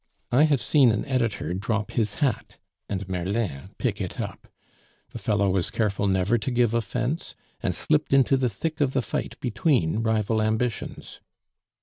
I have seen an editor drop his hat and Merlin pick it up. The fellow was careful never to give offence, and slipped into the thick of the fight between rival ambitions.